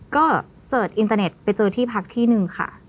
ก็เสิร์ชอินเตอร์เน็ตไปเจอที่พักที่หนึ่งค่ะ